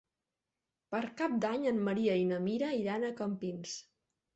Per Cap d'Any en Maria i na Mira iran a Campins.